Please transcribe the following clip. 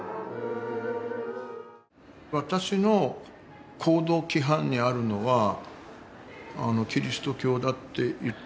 私の行動規範にあるのはキリスト教だって言っていいと思います。